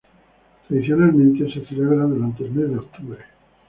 Tradicionalmente, se celebraba durante el mes de octubre.